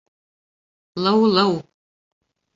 Лыулыу.